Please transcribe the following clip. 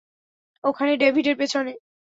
ওখানে, ডেভিডের পেছনে।